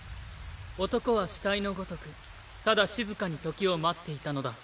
男は死体のごとくただ静かに時を待っていたのだ。